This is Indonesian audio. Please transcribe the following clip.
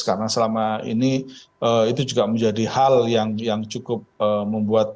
karena selama ini itu juga menjadi hal yang cukup membuat